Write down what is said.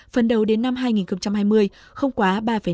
phần đầu đến năm hai nghìn hai mươi không quá ba năm